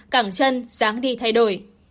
cảng chân dáng đi thay đổi